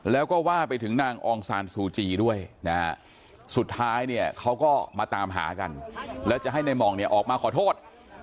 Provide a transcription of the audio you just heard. แล้วก็ว่าไปถึงนางองซานซูจีด้วยสุดท้ายเขาก็มาตามหากันและจะให้ในหมองออกมาขอโทษ